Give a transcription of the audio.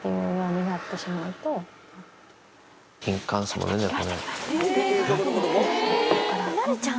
まるちゃん？